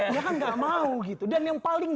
ya kan gak mau gitu dan yang paling